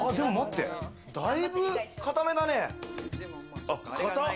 だいぶ硬めだね。